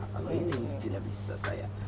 kalau ini tidak bisa saya